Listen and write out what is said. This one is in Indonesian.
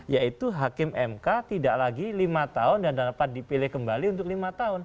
yaitu hakim mk tidak lagi lima tahun dan dapat dipilih kembali untuk lima tahun